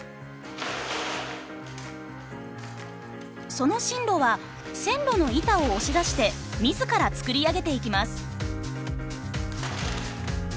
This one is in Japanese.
その進路は線路の板を押し出して自ら作り上げていきます。